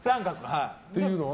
っていうのは？